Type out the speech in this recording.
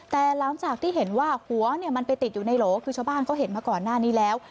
แต่หลังจากที่เห็นว่าหัวเนี่ยมันไปติดอยู่ในโหลคือชาวบ้านเขาเห็นมาก่อนหน้านี้แล้ว